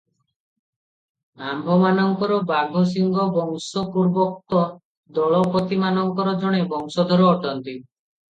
ଆମ୍ଭମାନଙ୍କର ବାଘସିଂହ ବଂଶ ପୂର୍ବୋକ୍ତ ଦଳପତିମାନଙ୍କର ଜଣେ ବଂଶଧର ଅଟନ୍ତି ।